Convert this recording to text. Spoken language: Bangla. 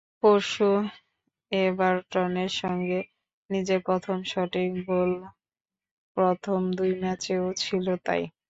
পরশু এভারটনের সঙ্গে নিজের প্রথম শটেই গোল, প্রথম দুই ম্যাচেও ছিল তাই।